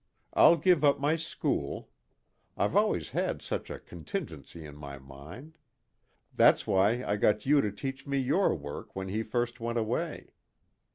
I'll give up my school. I've always had such a contingency in my mind. That's why I got you to teach me your work when he first went away.